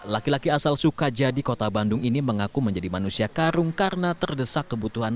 laki laki asal sukajadi kota bandung ini mengaku menjadi manusia karung karena terdesak kebutuhan